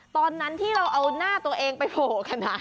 ตอนนั้นที่เราเอาหน้าตัวเองไปโผล่ขณะ